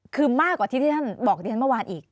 คือมากกว่าที่ท่านบอกกับท่านเมื่อวานอีก